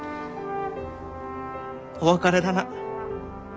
お別れだな。